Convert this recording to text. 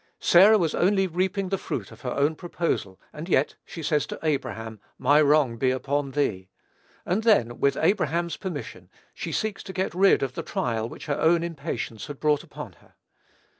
Sarah was only reaping the fruit of her own proposal, and yet she says to Abraham, "My wrong be upon thee;" and then, with Abraham's permission, she seeks to get rid of the trial which her own impatience had brought upon her.